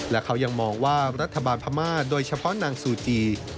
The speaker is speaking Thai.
และเขายังมองว่ารัฐบาลพม่าโดยเฉพาะนางซูจี